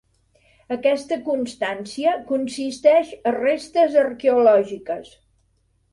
Aquesta constància consisteix a restes arqueològiques.